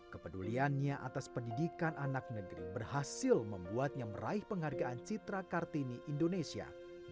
kepeduliannya atas pendidikan anak negeri berhasil membuatnya meraih penghargaan citra kartini indonesia